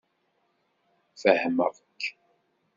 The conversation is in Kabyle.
Fehmeɣ-k.